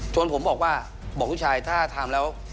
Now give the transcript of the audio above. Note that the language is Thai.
ผมบอกว่าบอกลูกชายถ้าทำแล้ว